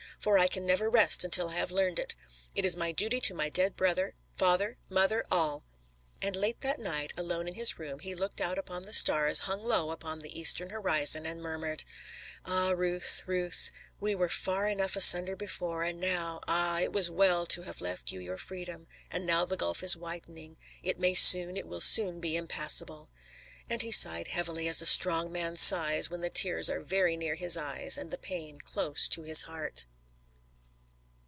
For I can never rest until I have learned it. It is my duty to my dead brother, father, mother all." And late that night, alone in his room he looked out upon the stars hung low upon the eastern horizon and murmured "Ah, Ruth, Ruth, we were far enough asunder before, and now Ah, it was well to have left you your freedom, for now the gulf is widening; it may soon, it will soon be impassable." And he sighed heavily, as a strong man sighs when the tears are very near his eyes and the pain close to his heart.